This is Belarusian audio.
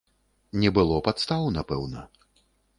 Не было падстаў, напэўна.